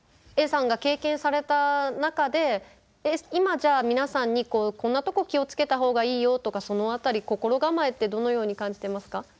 Ａさんが経験された中で今じゃあ皆さんにこんなとこ気を付けた方がいいよとかその辺り心構えってどのように感じてますか？